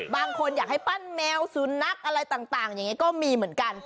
บางคนอยากให้ปั้นแมวสุนัขอะไรต่างอย่างนี้ก็มีเหมือนกัน